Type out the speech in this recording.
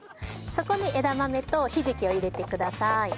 そこに枝豆とひじきを入れてください。